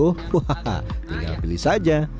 wah tinggal pilih saja